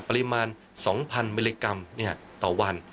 ปริมาณ๒๐๐มิลลิกรัมต่อวัน